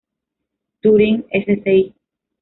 Turin, Sci.